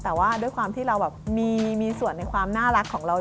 แต่ว่าด้วยความที่เราแบบมีส่วนในความน่ารักของเรา